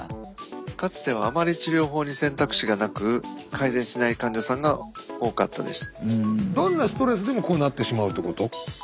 かつてはあまり治療法に選択肢がなく改善しない患者さんが多かったです。